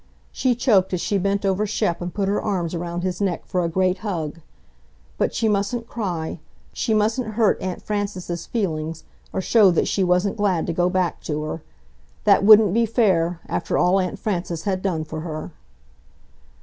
She choked as she bent over Shep and put her arms around his neck for a great hug. But she mustn't cry, she mustn't hurt Aunt Frances's feelings, or show that she wasn't glad to go back to her. That wouldn't be fair, after all Aunt Frances had done for her!